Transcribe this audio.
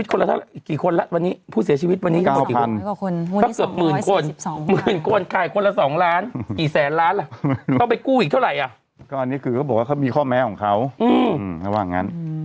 ติดโปรวิดผ่านคนละเท่าไหร่นะ